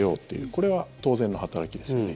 これは当然の働きですよね。